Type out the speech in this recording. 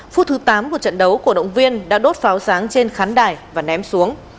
phút thứ tám của trận đấu cổ động viên đã đốt pháo sáng trên khán đài và ném xuống